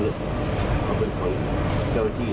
อาจจะว่ามองว่าไม่เป็นประชาปุฏิ